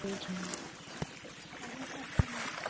越谷湖城站武藏野线的铁路车站。